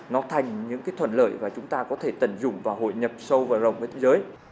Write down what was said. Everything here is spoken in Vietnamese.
nó thành những thuận lợi và chúng ta có thể tận dụng và hội nhập sâu vào rộng với thế giới